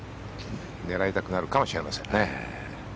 狙いたくなるかもしれませんね。